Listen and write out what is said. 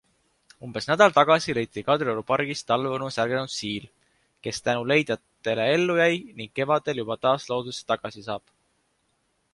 Umbes nädal tagasi leiti Kadrioru pargist talveunest ärganud siil, kes tänu leidjatele ellu jäi ning kevadel juba taas loodusesse tagasi saab.